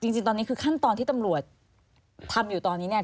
จริงตอนนี้คือขั้นตอนที่ตำรวจทำอยู่ตอนนี้เนี่ย